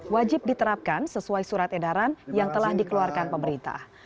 wajib diterapkan sesuai surat edaran yang telah dikeluarkan pemerintah